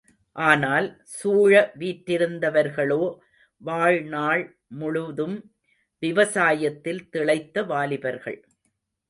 ஆனால் சூழ வீற்றிருந்தவர்களோ வாழ்நாள் முழுதும் விவசாயத்தில் திளைத்த வாலிபர்கள்.